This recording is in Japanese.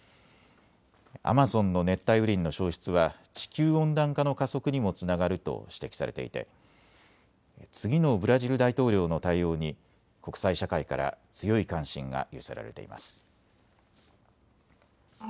アマゾンの熱帯雨林の消失は地球温暖化の加速にもつながると指摘されていて次のブラジル大統領の対応に国際社会から強い関心が寄せられています。